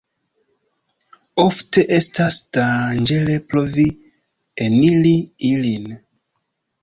Ofte estas danĝere provi eniri ilin.